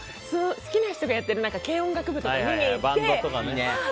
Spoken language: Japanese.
好きな人がやっている軽音楽部とか見に行ってあー！